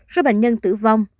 số bệnh nhân tử vong